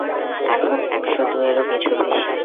এখন একশ দুইয়েরও কিছু বেশি।